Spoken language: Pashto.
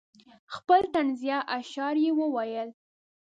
خپل طنزیه اشعار یې وویل.